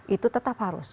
itu tetap harus